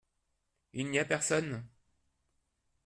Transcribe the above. Il n’y a personne.